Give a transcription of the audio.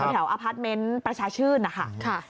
แถวพระชาชื่นนะค่ะ